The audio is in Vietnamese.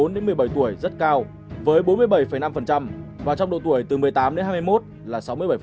bốn một mươi bảy tuổi rất cao với bốn mươi bảy năm và trong độ tuổi từ một mươi tám đến hai mươi một là sáu mươi bảy